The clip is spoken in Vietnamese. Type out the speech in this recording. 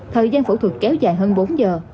thời gian phẫu thuật kéo dài hơn bốn giờ